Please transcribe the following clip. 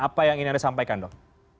apa yang ingin anda sampaikan dok